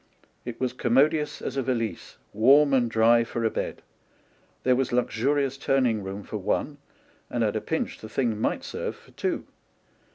It was commodious as a valise, warm and dry for a bed. There was luxurious turning room for one ; and at a pinch the thing might serve for two.